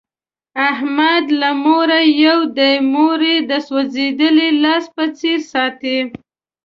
احمد له موره یو دی، مور یې د سوزېدلي لاس په څیر ساتي.